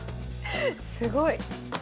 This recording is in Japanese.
すごい。